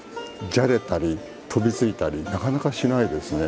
じゃれたり飛びついたりなかなかしないですね。